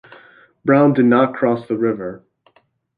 Brown did not cross the river.